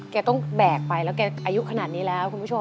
แกต้องแบกไปแล้วแกอายุขนาดนี้แล้วคุณผู้ชม